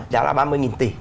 đó là ba mươi tỷ